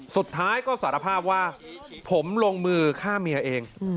สุดท้ายก็สารภาพว่าผมลงมือฆ่าเมียเอง